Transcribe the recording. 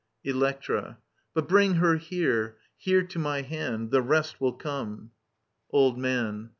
Electra. But bring her here, Here to my hand ; the rest will come. Old Man.